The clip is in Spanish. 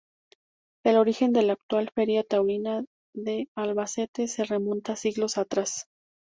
El origen de la actual Feria Taurina de Albacete se remonta siglos atrás.